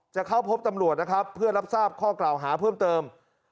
จะเข้าพบตำรวจนะครับเพื่อรับทราบข้อกล่าวหาเพิ่มเติม